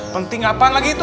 penting apaan lagi tuh